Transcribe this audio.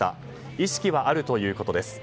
意識はあるということです。